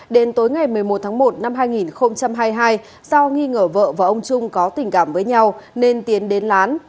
đến tối ngày một mươi một tháng một năm hai nghìn hai mươi hai do nghi ngờ vợ và ông trung có tình cảm với nhau nên tiến đến lán